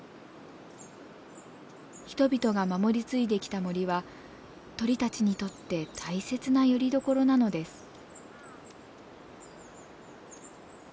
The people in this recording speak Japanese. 人々が守り継いできた森は鳥たちにとって大切なよりどころなのです。